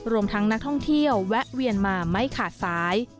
รวมทั้งนักท่องเที่ยวแวะเวียนมาไม่ขาดสาย